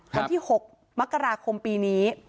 วันที่๖มกราคมปีนี้